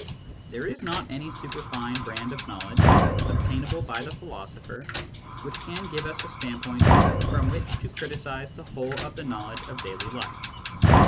There is not any superfine Jbrand of knowledge, obtainable by the philosopher, which can give us a stand point from which to criticise the whole of the knowledge of daily life.